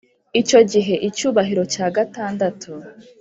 Icyo gihe icyubahiro cya gatandatu